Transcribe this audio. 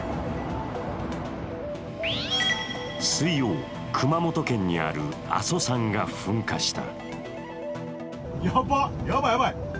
水曜、熊本県にある阿蘇山が噴火した。